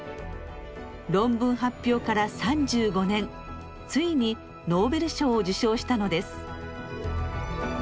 論文発表から３５年ついにノーベル賞を受賞したのです。